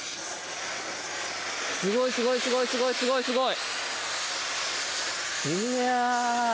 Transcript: すごいすごいすごいすごい！いや。